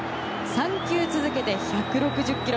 ３球続けて１６０キロ。